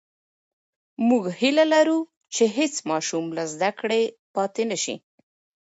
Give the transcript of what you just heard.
موږ هیله لرو چې هېڅ ماشوم له زده کړې پاتې نسي.